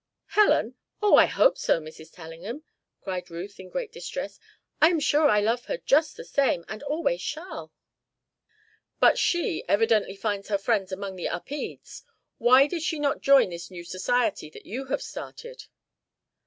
"Helen! Oh, I hope so, Mrs. Tellingham!" cried Ruth, in great distress. "I am sure I love her just the same and always shall." "But she evidently finds her friends among the Upedes. Why did she not join this new society that you have started?"